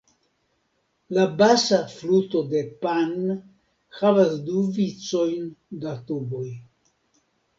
La basa fluto de Pan havas du vicojn da tuboj.